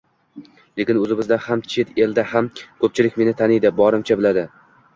Lekin oʻzimizda ham, chet elda ham koʻpchilik meni taniydi, borimcha biladi.